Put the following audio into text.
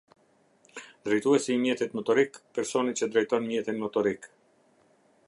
Drejtuesi i mjetit motorik - personi që drejton mjetin motorik.